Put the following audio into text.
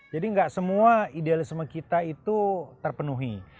jadi gak semua idealisme kita itu terpenuhi